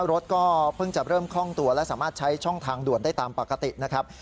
รถก็เพิ่งจะเริ่มคล่องตัวและสามารถใช้ช่องทางด่วนได้ตามปกตินะครับ